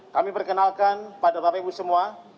kami perkenalkan pada bapak ibu semua